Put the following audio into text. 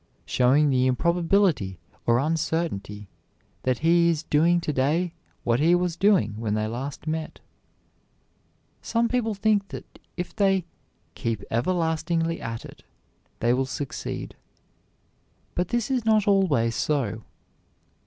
showing the improbability or uncertainty that he is doing to day what he was doing when they last met. Some people think that if they "keep everlastingly at it" they will succeed, but this is not always so.